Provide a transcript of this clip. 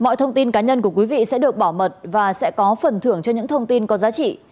mọi thông tin cá nhân của quý vị sẽ được bảo mật và sẽ có phần thưởng cho những thông tin có giá trị